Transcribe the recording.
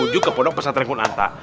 ujung ke kodok pesat renggun antar